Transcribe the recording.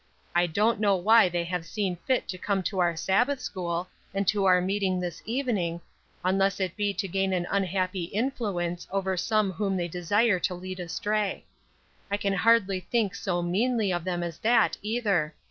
I don't know why they have seen fit to come to our Sabbath school, and to our meeting this evening, unless it be to gain an unhappy influence over some whom they desire to lead astray. I can hardly think so meanly of them as that, either.